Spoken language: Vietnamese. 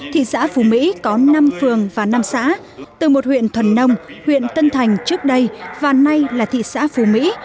thị xã phú mỹ có năm phường và năm xã từ một huyện thuần nông huyện tân thành trước đây và nay là thị xã phú mỹ